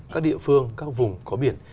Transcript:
các địa phương các vùng có biển